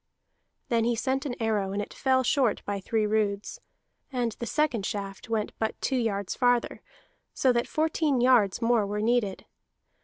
Then he sent an arrow, and it fell short by three roods; and the second shaft went but two yards farther, so that fourteen yards more were needed.